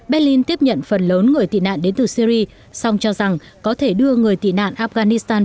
berlin tiếp nhận phần lớn người tị nạn đến từ syri song cho rằng có thể đưa người tị nạn afghanistan